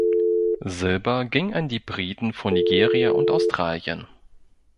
Silber ging an die Briten vor Nigeria und Australien.